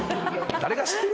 誰が知ってる？